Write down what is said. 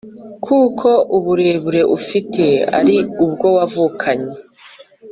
Kuko uburere ufite ari ubwo wavukanye